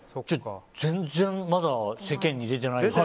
全然まだ世間に出てないでしょ。